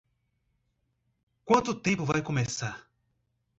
Quanto tempo vai começar?